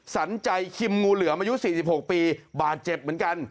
สรรใจคิมงูเหลือมอายุ๔๖ปีบาดเจ็บเหมือนกัน